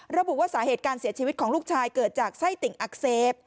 ระบุว่าสาเหตุการเสียชีวิตของลูกชายเกิดจากไส้ติ่งอักเสบ